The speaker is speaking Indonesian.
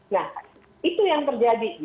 nah itu yang terjadi